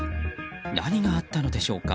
何があったのでしょうか。